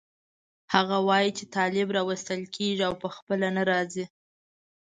هغه وایي چې طالب راوستل کېږي او په خپله نه راځي.